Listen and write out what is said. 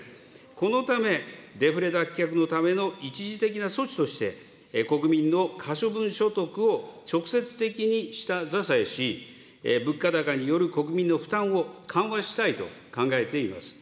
このため、デフレ脱却のための一時的な措置として、国民の可処分所得を直接的に下支えし、物価高による国民の負担を緩和したいと考えています。